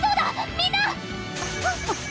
みんな！